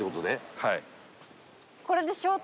はい。